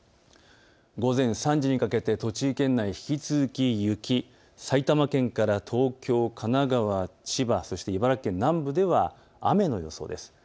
午前３時にかけて栃木県内、引き続き雪、埼玉県から東京、神奈川、千葉、そして茨城県南部では雨の予想です。